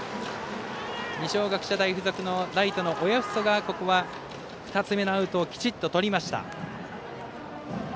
二松学舎大付属のライトの親富祖がここは２つ目のアウトをきちっととりました。